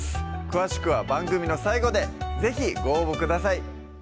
詳しくは番組の最後で是非ご応募ください